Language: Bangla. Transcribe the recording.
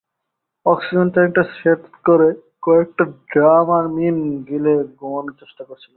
অক্সিজেন ট্যাঙ্কটা সেট করে কয়েকটা ড্রামামিন গিলে ঘুমানোর চেষ্টা করছিলাম।